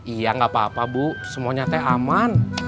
iya nggak apa apa bu semuanya teh aman